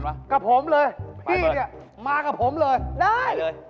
มากับผมเลยพี่เนี่ยมากับผมเลยได้เลย